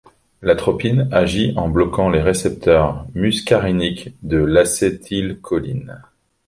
L'atropine agit en bloquant les récepteurs muscariniques de l'acétylcholine.